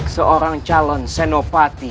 seorang calon senopati